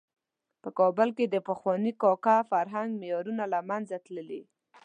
په کابل کې د پخواني کاکه فرهنګ معیارونه له منځه تللي.